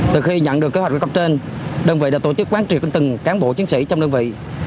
từ khi nhận được kế hoạch góp trên đơn vị đã tổ chức quán triệt từng cán bộ chiến sĩ trong đơn vị